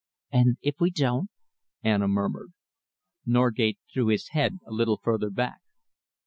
"And if we don't?" Anna murmured. Norgate threw his head a little further back.